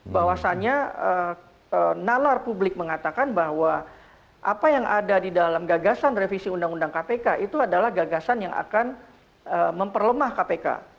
bahwasannya nalar publik mengatakan bahwa apa yang ada di dalam gagasan revisi undang undang kpk itu adalah gagasan yang akan memperlemah kpk